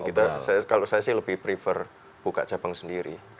kalau saya sih lebih prefer buka cabang sendiri